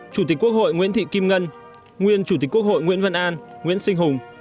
chủ tịch quốc hội nguyễn thị kim ngân nguyên chủ tịch quốc hội nguyễn văn an nguyễn sinh hùng